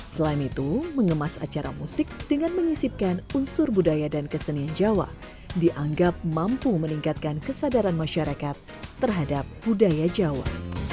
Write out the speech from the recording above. selain itu mengemas acara musik dengan menyisipkan unsur budaya dan kesenian jawa dianggap mampu meningkatkan kesadaran masyarakat terhadap budaya jawa